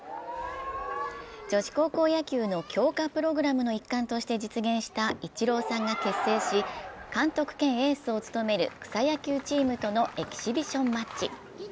女子高校野球の強化プログラムの一環として実現したイチローさんが結成し、監督兼エースを務める草野球チームとのエキシビションマッチ。